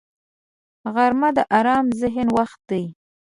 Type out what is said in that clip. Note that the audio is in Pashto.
غرمه د آرام ذهن وخت دی